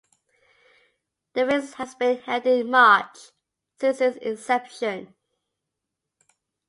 The race has been held in March since its inception.